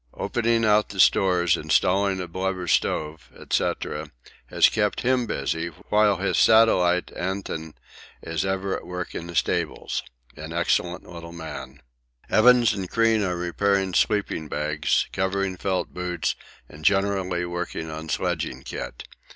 Opening out the stores, installing a blubber stove, &c., has kept him busy, whilst his satellite, Anton, is ever at work in the stables an excellent little man. Evans and Crean are repairing sleeping bags, covering felt boots, and generally working on sledging kit.